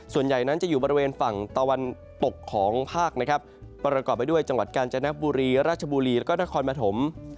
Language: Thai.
ส่วนใหญ่นั้นจะอยู่บริเวณฝั่งตะวันตกของภาคนะครับประกอบไปด้วยจังหวัดกาญจนบุรีราชบุรีแล้วก็นครปฐม